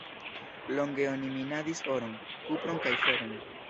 Longe oni minadis oron, kupron kaj feron.